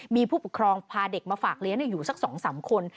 มีผู้ปกครองพาเด็กมาฝากเลี้ยงอยู่สัก๒๓คน